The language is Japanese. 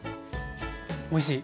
おいしい。